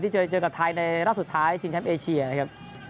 เจอเจอกับไทยในรอบสุดท้ายชิงแชมป์เอเชียนะครับ